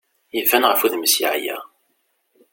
Iban ɣef wudem-is yeɛya.